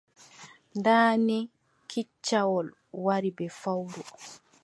Ndaa ni kiccawol yaare bee fowru.